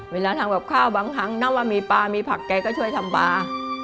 เวลาทำกับข้าวบางครั้งนับว่ามีปลามีผักแกก็ช่วยทำปลา